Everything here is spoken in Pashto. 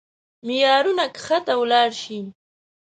معيارونه کښته ولاړ شي.